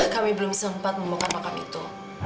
kami belum sempat membuka makam itu